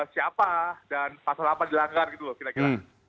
siapa dan pasal apa dilanggar gitu loh kira kira